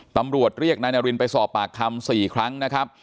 ตำรวจเรียกนายนารินไปสอบปากคำ๔ครั้งนะครับ